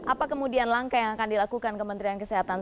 apa kemudian langkah yang akan dilakukan kementerian kesehatan